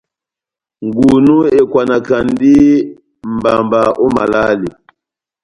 Ngunu ekwanakandi mbamba ό malale.